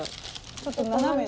ちょっと斜めに。